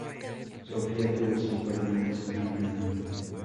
Sofía tuvo cinco hermanas y un hermano.